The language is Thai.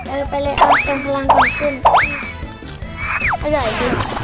เอาไปเลยเอาตรงพลังขึ้นขึ้น